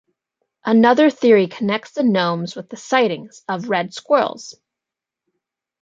Another theory connects the gnomes with the sightings of red squirrels.